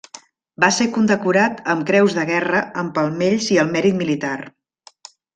Va ser condecorat amb Creus de Guerra amb Palmells i al Mèrit Militar.